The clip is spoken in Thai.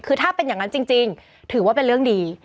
คือถ้าเป็นอย่างนั้นจริงถือว่าเป็นเรื่องดี